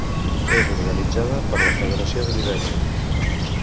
És organitzada per la Federació de Libèria.